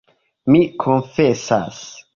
Mi konfesas.